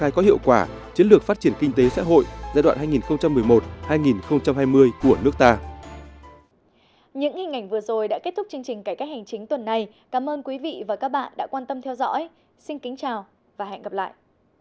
những hình ảnh vừa rồi đã kết thúc chương trình cải cách hành chính tuần này cảm ơn quý vị và các bạn đã quan tâm theo dõi xin kính chào và hẹn gặp lại